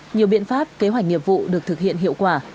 nhiều biện pháp kế hoạch nghiệp vụ được thực hiện hiệu quả